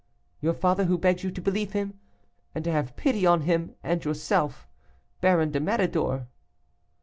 "'Your father, who begs you to believe him, and to have pity on him, and on yourself, "'BARON DE MÉRIDOR.